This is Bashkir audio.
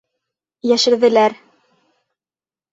Йәшерҙеләр!